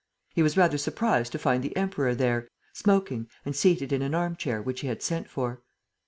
He was rather surprised to find the Emperor there, smoking and seated in an arm chair which he had sent for.